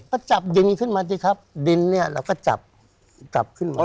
ก็จับดินขึ้นมาสิครับดินเนี่ยเราก็จับกลับขึ้นมา